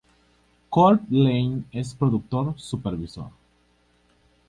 Cort Lane es productor supervisor.